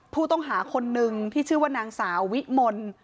ผู้ต้องหาคนนึงที่ชื่อว่านางสาววิมล